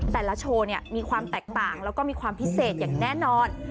โชว์มีความแตกต่างแล้วก็มีความพิเศษอย่างแน่นอน